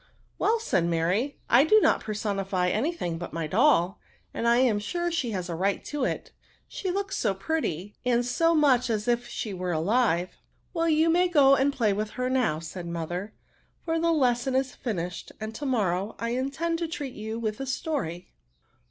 " Well,'* said Mary, " I do not personify any thing hut my doll, and I am sure she has a right to it, she looks so pretty, and so much as if she was alive." " Well, you may go and play with her now," said her mother ;" for the lesson is finished, and to morrow I intend to treat you with a story."